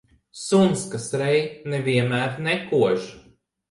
Suns, kas rej, ne vienmēr nekož.